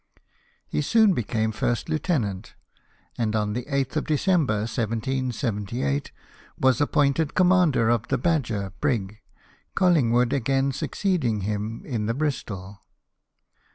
He soon became first lieu tenant; and on the 8th of December, 1778, was appointed commander of the Badger brig, Colling wood again succeeding him in the Bristol.